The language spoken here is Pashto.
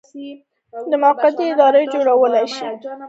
د موقتې ادارې جوړول د توافقاتو برخه وه.